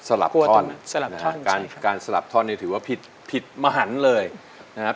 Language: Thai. สลับท่อนนะครับการสลับท่อนถือว่าผิดมาหันเลยนะครับ